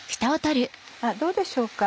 どうでしょうか？